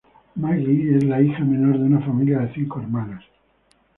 Maggi es el hijo menor de una familia de cinco hermanos.